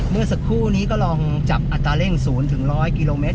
เมื่อสักครู่นี้ก็ลองจับอัตราเร่ง๐๑๐๐กิโลเมตร